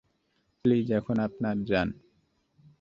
Please, এখন আপনার যান।